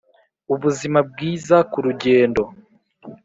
ubuzima bwiza ku rugendo